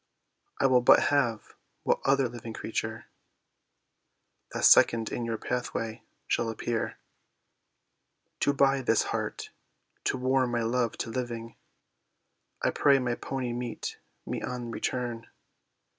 "I will but have what other living creature That second in your pathway shall appear." "To buy this heart, to warm my love to living, I pray my pony meet me on return."